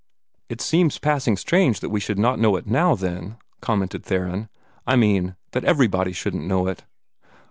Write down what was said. "It seems passing strange that we should not know it now, then," commented Theron; "I mean, that everybody shouldn't know it."